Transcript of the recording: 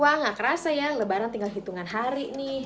wah gak kerasa ya lebaran tinggal hitungan hari nih